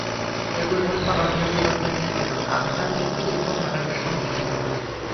এগুলো হলো, পারমাণবিক অস্ত্রের নিয়ন্ত্রণ, আফগান নীতি এবং ভারতের সঙ্গে সম্পর্ক।